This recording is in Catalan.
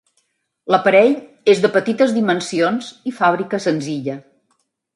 L'aparell és de petites dimensions i fàbrica senzilla.